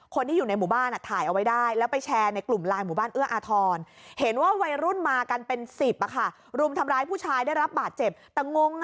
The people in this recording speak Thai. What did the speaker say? คนที่อยู่ในหมู่บ้านถ่ายเอาไว้ได้แล้วไปแชร์ในกลุ่มไลน์หมู่บ้านเอื้ออทรเห็นว่าวัยรุ่นมากันเป็น